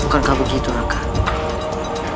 bukankah begitu rakaat